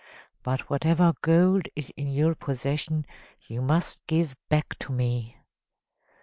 But whatever gold is in your possession you must give back to me."